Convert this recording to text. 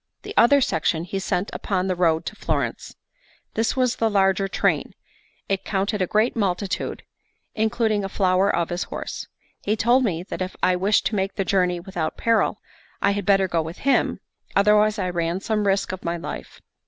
The other section he sent upon the road to Florence. This was the larger train; it counted a great multitude, including the flower of his horse. He told me that if I wished to make the journey without peril, I had better go with him, otherwise I ran some risk of my life.